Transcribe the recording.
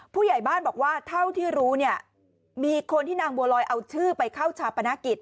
ผู้ใหญ่บ้านบอกว่าเท่าที่รู้เนี่ยมีคนที่นางบัวลอยเอาชื่อไปเข้าชาปนกิจ